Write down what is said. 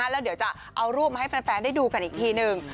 แล้วเดี๋ยวจะเอารูปมาให้แฟนได้ดูกันอีกทีหนึ่ง